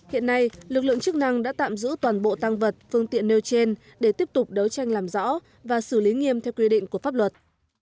hiện nay lực lượng chức năng đã tạm giữ toàn bộ tăng vật phương tiện nêu trên để tiếp tục đấu tranh làm rõ và xử lý nghiêm theo quy định của pháp luật